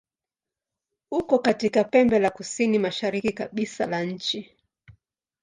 Uko katika pembe la kusini-mashariki kabisa la nchi.